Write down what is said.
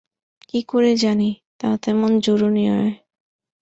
কী করে জানি, তা তেমন জরুরি নয়।